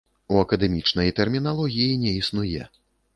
У акадэмічнай тэрміналогіі не існуе.